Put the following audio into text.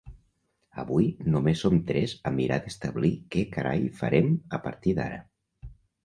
Avui només som tres a mirar d'establir què carai farem a partir d'ara.